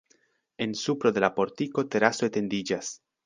En supro de la portiko teraso etendiĝas.